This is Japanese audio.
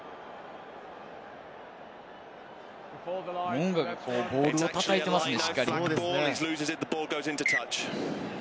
モウンガがボールを叩いていますね。